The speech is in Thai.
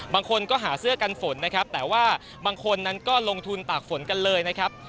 บางคนก็หาเสื้อกันฝนนะครับแต่ว่าบางคนนั้นก็ลงทุนตากฝนกันเลยนะครับ